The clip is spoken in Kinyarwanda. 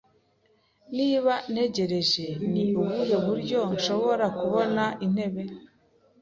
Niba ntegereje, ni ubuhe buryo nshobora kubona intebe?